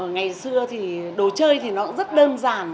ngày xưa thì đồ chơi thì nó cũng rất đơn giản